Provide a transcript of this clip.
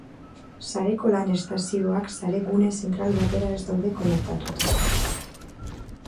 Sareko lan-estazioak sare gune zentral batera ez daude konektatuta.